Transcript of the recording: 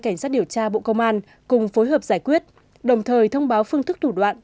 cảnh sát điều tra bộ công an cùng phối hợp giải quyết đồng thời thông báo phương thức thủ đoạn